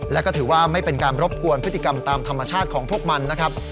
และก็ถือว่าไม่เป็นการรบกวนพฤติกรรมตามธรรมชาติของพวกมันนะครับ